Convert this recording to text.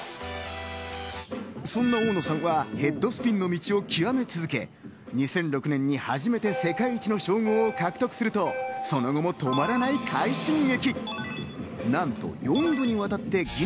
そんな大野さんはヘッドスピンの道を極め続け、２００６年に初めて世界一の称号を獲得するとその後も止まらない快進撃。